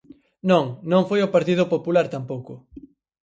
Non, non foi o Partido Popular tampouco.